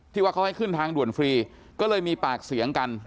ว่าเขาให้ขึ้นทางด่วนฟรีก็เลยมีปากเสียงกัน